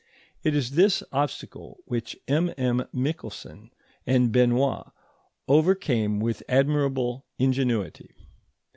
It is this obstacle which MM. Michelson and Benoit overcame with admirable ingenuity.